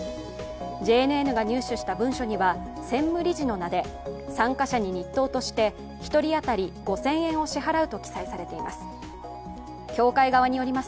ＪＮＮが入手した文書には専務理事の名で参加者に日当として１人当たり５０００円支払うと記載されています。